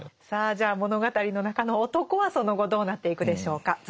さあじゃあ物語の中の男はその後どうなっていくでしょうか。